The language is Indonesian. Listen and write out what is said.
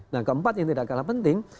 nah keempat yang tidak kalah penting